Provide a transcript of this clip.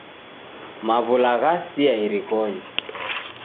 Maw'ula ghasia irikonyi.